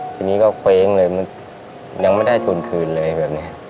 ทีนี้ก็เคว้งเลยมันยังไม่ได้ทุนคืนเลยแบบนี้